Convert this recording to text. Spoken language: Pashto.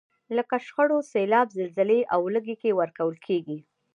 لکه شخړو، سیلاب، زلزلې او ولږې کې ورکول کیږي.